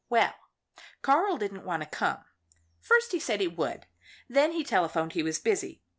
Well, Karl didn't want to come. First he said he would, and then he telephoned he was busy.